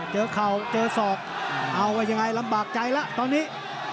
เข่าเจอศอกเอาว่ายังไงลำบากใจแล้วตอนนี้